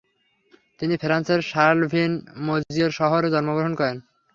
তিনি ফ্রান্সের শার্লভিল-মেজিয়ের শহরে জন্মগ্রহণ করেন।